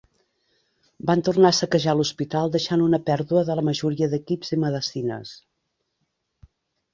Van tornar a saquejar l'hospital deixant una pèrdua de la majoria d'equips i medecines.